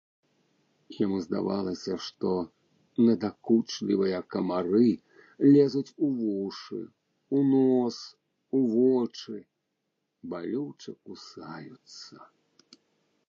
Яму здавалася, што надакучлівыя камары лезуць у вушы, у нос, у вочы, балюча кусаюцца.